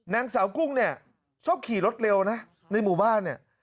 นางสาวกุ้งเนี่ยชอบขี่รถเร็วนะในหมู่บ้านเนี่ย